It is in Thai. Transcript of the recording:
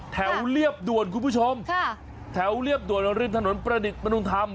เรียบด่วนคุณผู้ชมแถวเรียบด่วนริมถนนประดิษฐ์มนุยธรรม